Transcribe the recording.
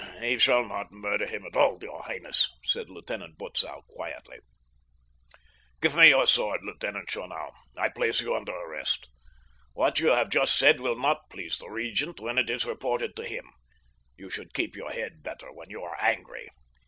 "He shall not murder him at all, your highness," said Lieutenant Butzow quietly. "Give me your sword, Lieutenant Schonau. I place you under arrest. What you have just said will not please the Regent when it is reported to him. You should keep your head better when you are angry."